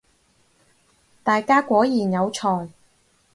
大家果然有才